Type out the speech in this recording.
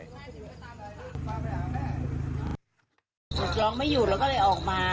หยุดรองไม่หยุดแล้วก็เลยออกมา